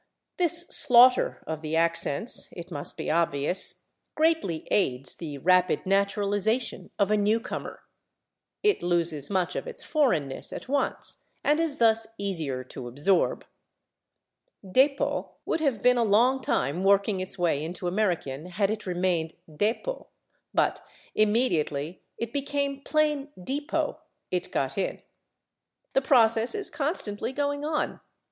This slaughter of the accents, it must be obvious, greatly aids the rapid naturalization of a newcomer. It loses much of its foreignness at once, and is thus easier to absorb. /Dépôt/ would have been a long time working its way into American had it remained /dépôt/, but immediately it became plain /depot/ it got in. The process is constantly going on.